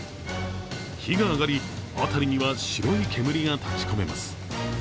火が上がり、辺りには白い煙が立ちこめます。